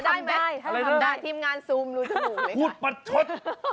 ถ้าทำได้ทีมงานซูมรูจมูกเลยค่ะพูดปัดชด